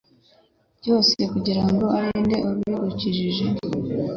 byose kugirango arinde ibidukikije